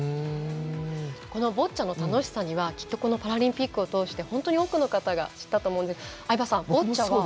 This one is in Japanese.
このボッチャの楽しさにはパラリンピックを通して本当に多くの方が知ったと思うんですが相葉さん、ボッチャは？